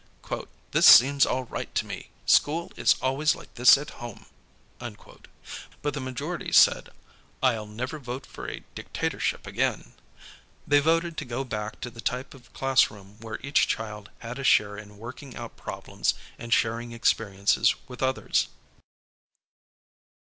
"This seems all right to me. School is always like this at home."' Bui the majority said, "rU never vote for a dictatorship again.'" They voted to go back to the type of classroom where each child had a share in working out problems and sharing experiences with others.